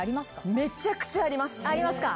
めちゃくちゃあります。